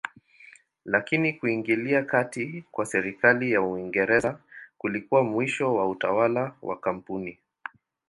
Lakini kuingilia kati kwa serikali ya Uingereza kulikuwa mwisho wa utawala wa kampuni.